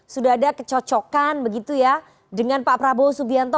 sudah ada kecocokan begitu ya dengan pak prabowo subianto